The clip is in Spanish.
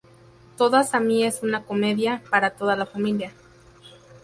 Todas a mí es una comedia, para toda la familia.